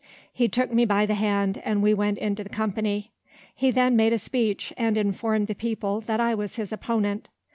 He took me by the hand, and we went into the company. He then made a speech, and informed the people that I was his opponent.